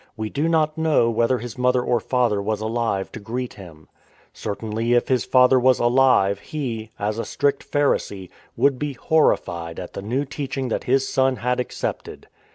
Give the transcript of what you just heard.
We do not know whether his mother or father was alive to greet him. Certainly if his father was alive he — as a strict Pharisee — would be horrified at the new teaching that his son had accepted.